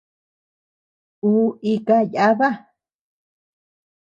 Uu ika yába.